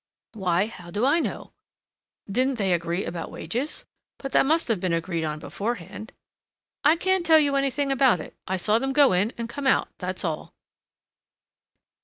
"Why, how do I know?" "Didn't they agree about wages? but that must have been agreed on beforehand." "I can't tell you anything about it. I saw them go in and come out, that's all."